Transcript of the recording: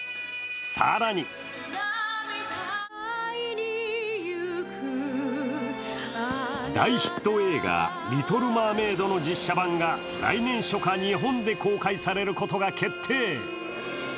更に大ヒット映画「リトル・マーメイド」の実写版が来年初夏、日本で公開されることが決定。